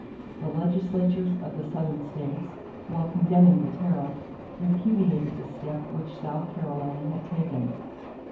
The legislatures of the Southern states, while condemning the tariff, repudiated the step which South Carolina had taken.